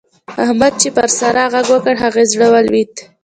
احمد چې پر سارا غږ وکړ؛ د هغې زړه ولوېد.